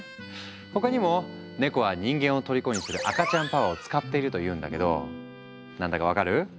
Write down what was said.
他にもネコは人間をとりこにする赤ちゃんパワーを使っているというんだけど何だか分かる？